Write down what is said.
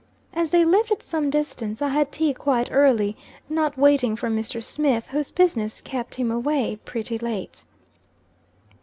As they lived at some distance, I had tea quite early, not waiting for Mr. Smith, whose business kept him away pretty late.